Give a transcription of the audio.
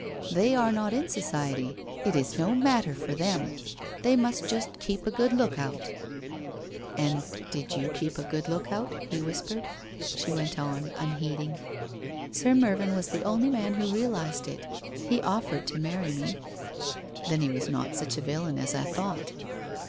They are not in society, it is no matter for them, they must just keep a good look out/ * And did you keep a good look out ?' he whispered. She went on unheeding: ' Sir Mervyn was the only man who realized it. He offered to marry me.' 1 Then he was not such a villain as I thought.'